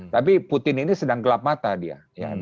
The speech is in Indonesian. tapi putin ini sedang gelap mata dia